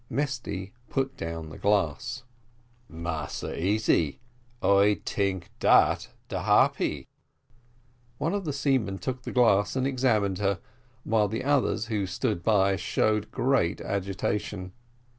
Mesty put down the glass. "Massa Easy I tink dat de Harpy." One of the seamen took the glass and examined her, while the others who stood by showed great agitation.